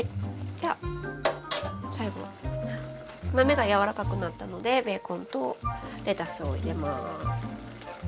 じゃあ最後豆がやわらかくなったのでベーコンとレタスを入れます。